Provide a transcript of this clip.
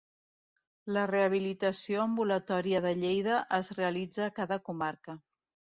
La rehabilitació ambulatòria de Lleida es realitza a cada comarca.